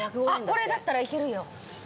これだったらいけるよ。